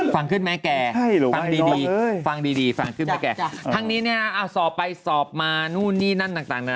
ฟังขึ้นไหมแกฟังดีดีฟังดีดีฟังขึ้นไหมแกทั้งนี้เนี่ยสอบไปสอบมานู่นนี่นั่นต่างนะ